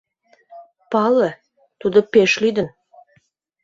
Пале: тудо пеш лӱдын.